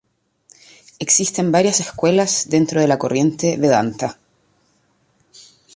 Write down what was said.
Existen varias escuelas dentro de la corriente vedanta.